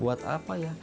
buat apa ya